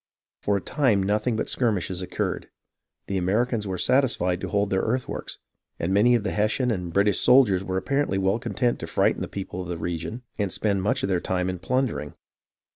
For a time nothing but skirmishes occurred. The Americans were satisfied to hold their earthworks, and 128 HISTORY OF THE AMERICAN REVOLUTION many of the Hessian and British soldiers were apparently well content to frighten the people of the region and spend much of their time in plundering.